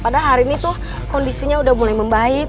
padahal hari ini tuh kondisinya udah mulai membaik